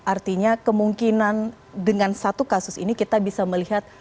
artinya kemungkinan dengan satu kasus ini kita bisa melihat